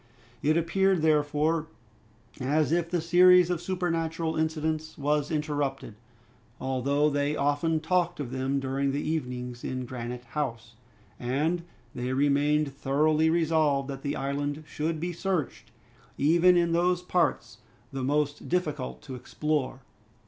It appeared, therefore, as if the series of supernatural incidents was interrupted, although they often talked of them during the evenings in Granite House, and they remained thoroughly resolved that the island should be searched, even in those parts the most difficult to explore.